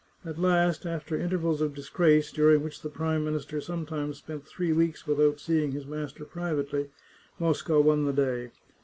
At last, after intervals of disgrace, during which the Prime Minister sometimes spent three weeks without seeing his master privately, Mosca won the day.